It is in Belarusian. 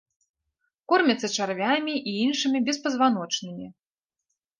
Кормяцца чарвямі і іншымі беспазваночнымі.